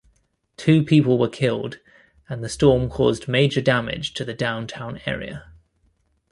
Two people were killed, and the storm caused major damage to the downtown area.